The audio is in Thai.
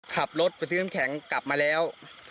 ขับรถไปทึ่มแข็งกลับมาแล้ว